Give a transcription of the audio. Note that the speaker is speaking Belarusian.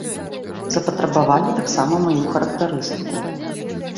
Запатрабавалі таксама маю характарыстыку.